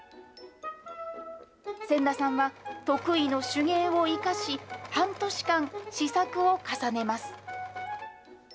仙田さんは得意の手芸を生かし、半年間、試作を重ねます。